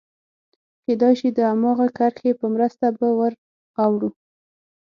کېدای شي د هماغې کرښې په مرسته به ور اوړو.